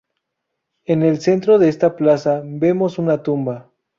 En el centro de esta plaza, vemos una tumba.